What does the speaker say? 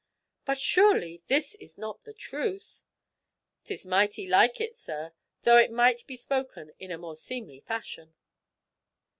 "But surely this is not the truth?" "'Tis mighty like it, sir, though it might be spoken in a more seemly fashion."